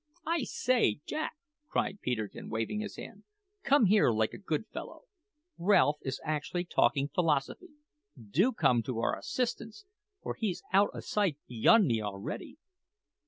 "I say, Jack!" cried Peterkin, waving his hand; "come here, like a good fellow. Ralph is actually talking philosophy. Do come to our assistance, for he's out o' sight beyond me already!"